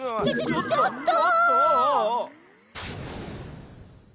ちょっと！